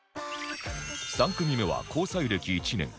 ３組目は交際歴１年